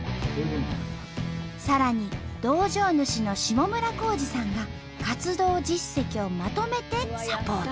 さらに道場主の下村康氏さんが活動実績をまとめてサポート。